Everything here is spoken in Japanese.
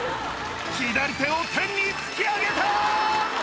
左手を天に突き上げた！